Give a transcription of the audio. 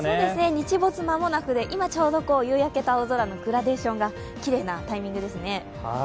日没間もなくで、今、ちょうど夕焼けと青空のグラデーションがきれいなタイミングですね。